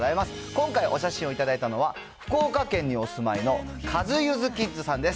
今回、お写真を頂いたのは、福岡県にお住いのカズユズキッズさんです。